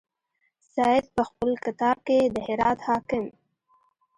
سید په خپل کتاب کې د هرات حاکم.